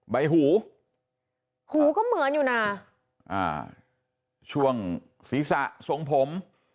ใบหูหูก็เหมือนอยู่น่ะอ่าช่วงศีรษะทรงผม